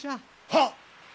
はっ！